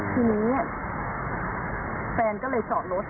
ทีนี้แฟนก็เลยจอดรถ